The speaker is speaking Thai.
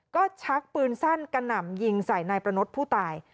ก็ชักปืนสั้นกระหน่ำยิงใส่นายประนดผู้ตาย